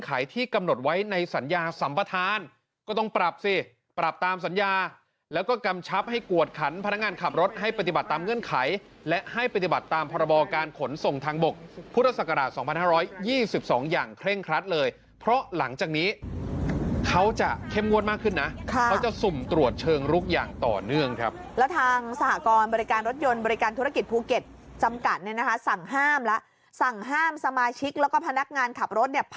ใครสัญญาธรรมประธานต้องปรับสิปรับตามสัญญาและก็กำชับให้กวดขันพนักงานขับรถให้ปฏิบัติตามเงื่อนไขและให้ปฏิบัติตามพคศภรศ๒๕๒๒อย่างเคร่งครัดเลยเพราะหลังจากนี้เขาจะเข้มงวดมากขึ้นนะเราจะสุ่มตรวจเชิงรุกอย่างต่อเนื่องครับ